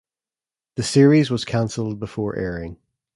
The series was cancelled before airing.